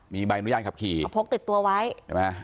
มีใบอนุญาตขับขี่พกติดตัวไว้ใช่ไหม